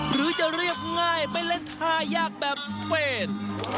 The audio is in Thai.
หรือจะเรียบง่ายไปเล่นท่ายากแบบสเปน